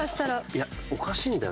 いやおかしいんだよ。